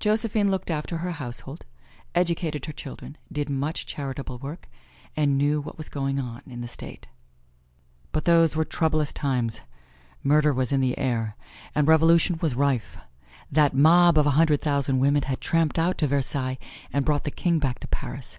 Josephine looked after her household, educated her children, did much charitable work, and knew what was going on in the State. But those were troublous times. Murder was in the air and revolution was rife. That mob of a hundred thousand women had tramped out to Versailles and brought the king back to Paris.